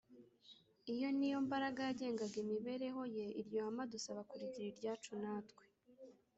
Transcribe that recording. iyo ni yo mbaraga yagengaga imibereho ye iryo hame adusaba kurigira iryacu na twe